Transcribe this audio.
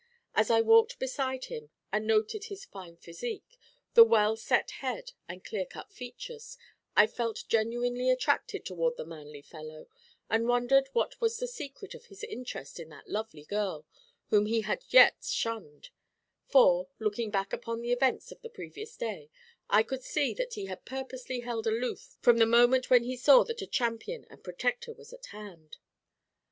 As I walked beside him and noted his fine physique, the well set head and clear cut features, I felt genuinely attracted toward the manly fellow, and wondered what was the secret of his interest in that lovely girl, whom he had yet shunned; for, looking back upon the events of the previous day, I could see that he had purposely held aloof from the moment when he saw that a champion and protector was at hand.